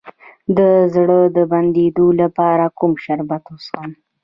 د زړه د بندیدو لپاره کوم شربت وڅښم؟